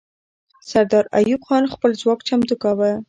سردار ایوب خان خپل ځواک چمتو کاوه.